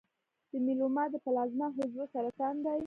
د میلوما د پلازما حجرو سرطان دی.